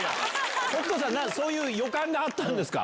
北斗さん、そういう予感があったんですか？